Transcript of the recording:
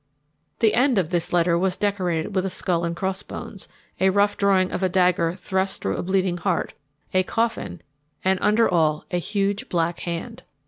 The end of this letter was decorated with a skull and crossbones, a rough drawing of a dagger thrust through a bleeding heart, a coffin, and, under all, a huge black hand.